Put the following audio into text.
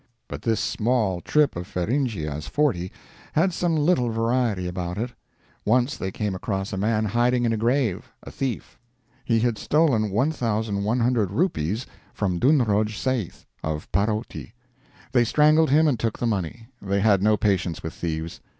But this small trip of Feringhea's Forty had some little variety about it. Once they came across a man hiding in a grave a thief; he had stolen 1,100 rupees from Dhunroj Seith of Parowtee. They strangled him and took the money. They had no patience with thieves.